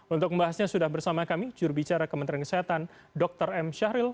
untuk membahasnya sudah bersama kami jurubicara kementerian kesehatan dr m syahril